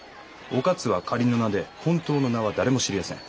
お勝は仮の名で本当の名は誰も知りやせん。